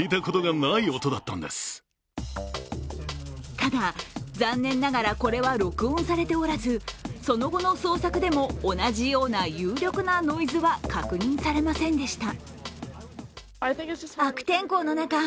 ただ、残念ながらこれは録音されておらずその後の捜索でも、同じような有力なノイズは確認されませんでした。